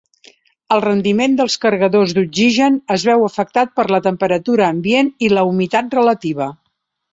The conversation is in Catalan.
El rendiment dels cargadors d'oxigen es veu afectat per la temperatura ambient i la humitat relativa.